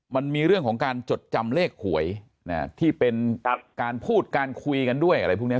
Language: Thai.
มันมีเรื่องของการจดจำเลขหวยที่เป็นการพูดการคุยกันด้วยอะไรพวกนี้